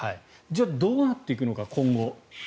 じゃあ今後どうなっていくのか。